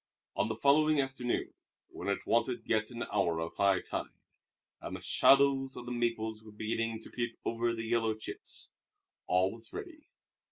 On the following afternoon, when it wanted yet an hour of high tide, and the shadows of the maples were beginning to creep over the yellow chips, all was ready.